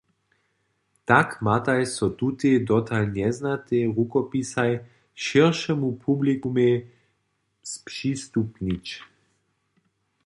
Tak matej so tutej dotal njeznatej rukopisaj šěršemu publikumej spřistupnić.